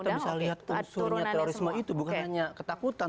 tidak bisa kalau kita bisa lihat unsurnya terorisme itu bukan hanya ketakutan